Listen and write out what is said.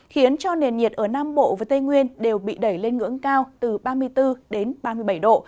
khiến cho nền nhiệt ở nam bộ và tây nguyên đều bị đẩy lên ngưỡng cao từ ba mươi bốn đến ba mươi bảy độ